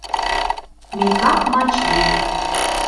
«МИКАК МАЧВИЙ»